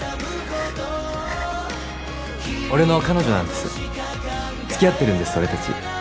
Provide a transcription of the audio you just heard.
俺の彼女なんです付き合ってるんです俺達